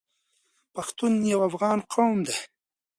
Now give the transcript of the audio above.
پښتون یو افغان قوم دی.